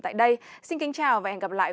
tại đây xin kính chào và hẹn gặp lại